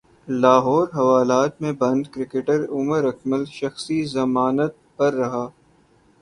لاہور حوالات مں بند کرکٹر عمر اکمل شخصی ضمانت پر رہا